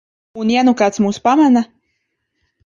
Un ja nu kāds mūs pamana?